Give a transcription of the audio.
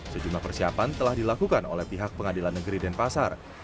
sejumlah persiapan telah dilakukan oleh pihak pengadilan negeri denpasar